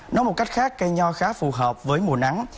nói một cách khác cây nho khá phù hợp với mùa nắng